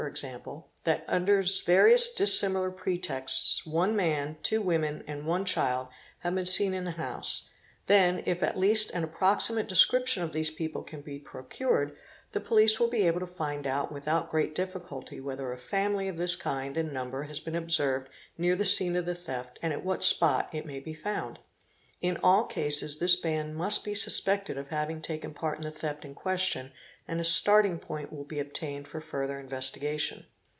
that under various dissimilar pretexts one man, two women, — and one child have been seen in the house, then, if at least an approximate & description of these people can be procured, the Police will be able to ; find out without great difficulty whether a family of this kind and num — ber has been observed near the scene of the theft and at what spot it may be found. In all cases this band must be suspected of having taken part | in the theft in question and a starting point will be obtained for further investigation.